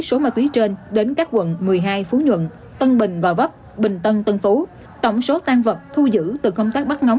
số ma túy trên đến các quận một mươi hai phú nhuận tân bình gò vấp bình tân tân phú tổng số tan vật thu giữ từ công tác bắt ngóng